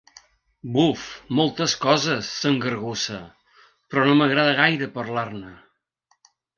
Buf, moltes coses —s'engargussa—, però no m'agrada gaire parlar-ne.